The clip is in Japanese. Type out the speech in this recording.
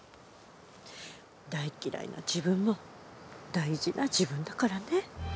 大嫌いな自分も大事な自分だからね。